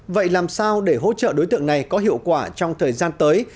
vậy làm sao để hỗ trợ đối tượng này có hiệu quả trong thời gian tới